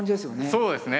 そうですね。